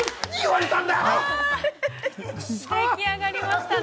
◆出来上がりましたね。